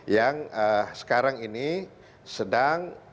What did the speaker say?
yang sekarang ini sedang